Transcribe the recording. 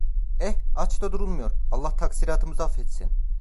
Eh, aç da durulmuyor, Allah taksiratımızı affetsin!